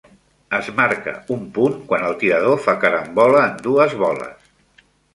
Es marca un punt quan el tirador fa carambola en dues boles.